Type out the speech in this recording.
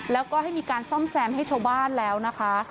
แล้วก็ให้มีการซ่อมแซมให้ชาวบ้านแล้วนะคะ